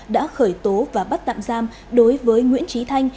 đã khởi tố và bắt tạm giam đối với nguyễn trí thanh